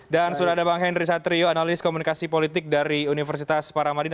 dan sudah ada bang henry satrio analis komunikasi politik dari universitas parahamadina